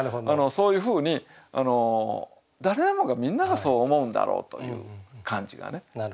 そういうふうに誰もがみんながそう思うんだろうという感じがね。